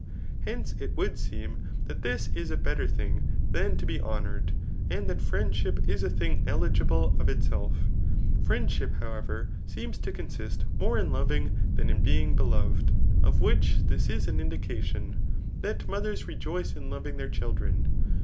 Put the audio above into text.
Henc^ it would seem that this is a better thing than to be honour ed, and that friendship is a thing eligible of itself. Friend ship, however, seems to consist more in lovini; than in Digitized by Google IMAt^mu ETmes. SOT bcbg. beloved ; of which this is an indication, that mo» them r^jcke m loving [that children].